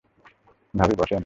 ভাবি, বসেন।